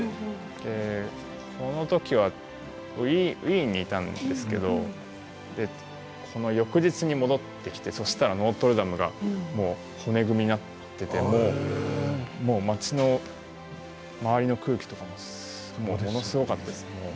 その時はウィーンにいたんですけどこの翌日に戻ってきてそしたらノートルダムがもう骨組みになっていて街の周りの空気とかもものすごかったです。